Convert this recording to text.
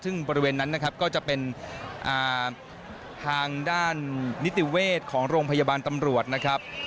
ซึ่งบริเวณนั้นนะครับก็จะเป็นทางด้านนิติเวชของโรงพยาบาลตำรวจนะครับ